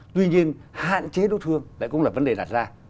tuy nhiên hạn chế đốt hương đấy cũng là vấn đề đặt ra